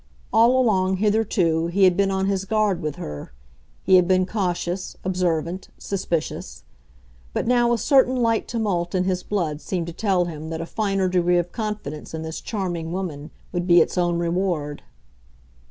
All along, hitherto, he had been on his guard with her; he had been cautious, observant, suspicious. But now a certain light tumult in his blood seemed to tell him that a finer degree of confidence in this charming woman would be its own reward.